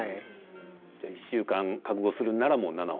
１週間確保するなら７本。